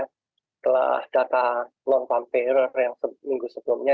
setelah data non farm payroll yang seminggu sebelumnya